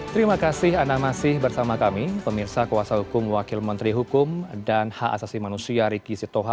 terima kasih anda masih bersama kami pemirsa kuasa hukum wakil menteri hukum dan hak asasi manusia riki sitoha